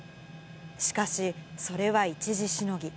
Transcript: しかし、それは一時しのぎ。